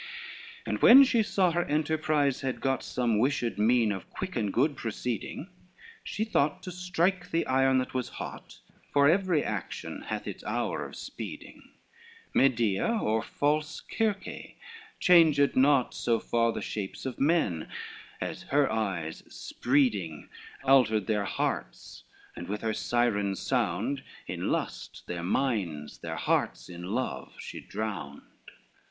LXXXVI And when she saw her enterprise had got Some wished mean of quick and good proceeding, She thought to strike the iron that was hot, For every action hath his hour of speeding: Medea or false Circe changed not So far the shapes of men, as her eyes spreading Altered their hearts, and with her syren's sound In lust, their minds, their hearts, in love she drowned.